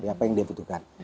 apa yang dia butuhkan